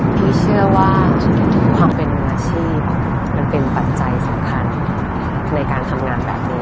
พี่เชื่อว่าความเป็นอาชีพมันเป็นปัจจัยสำคัญในการทำงานแบบนี้